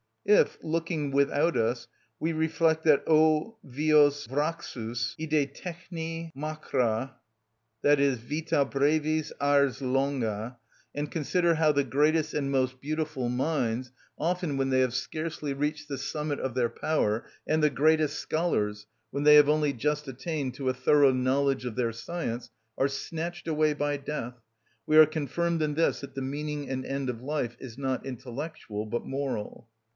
If, looking without us, we reflect that ὁ βιος βραχυς, ἡ δε τεχνη μακρα (vita brevis, ars longa), and consider how the greatest and most beautiful minds, often when they have scarcely reached the summit of their power, and the greatest scholars, when they have only just attained to a thorough knowledge of their science, are snatched away by death, we are confirmed in this, that the meaning and end of life is not intellectual but moral.